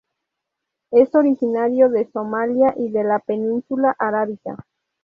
Es originario de Somalia y de la Península Arábica.